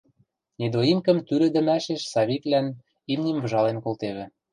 Недоимкӹм тӱлӹдӹмӓшеш Савиквлӓн имним выжален колтевӹ.